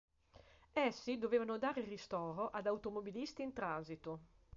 Essi dovevano dare ristoro ad automobilisti in transito.